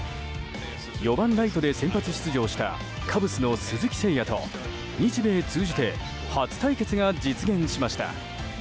４番ライトで先発出場したカブスの鈴木誠也と日米通じて初対決が実現しました。